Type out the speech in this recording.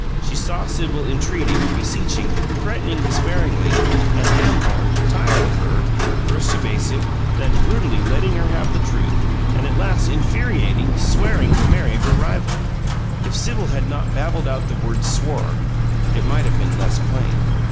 She saw Sibyl entreating, beseeching, threatening despairingly, and Lamhorn tired of her first evasive, then brutally letting her have the truth; and at last, infuriated, "swearing" to marry her rival. If Sibyl had not babbled out the word "swore" it might have been less plain.